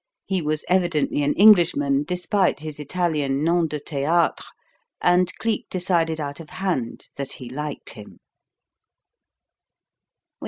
He was evidently an Englishman, despite his Italian nom de théâtre, and Cleek decided out of hand that he liked him.